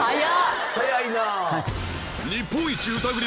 早いな！